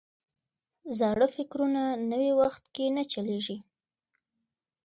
زاړه فکرونه نوي وخت کې نه چلیږي.